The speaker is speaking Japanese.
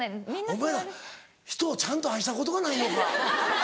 お前ら人をちゃんと愛したことがないのか。